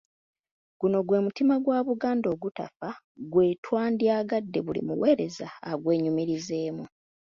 Guno gwe mutima gwa Buganda ogutafa gwe twandyagadde buli muweereza agwenyumirizeemu .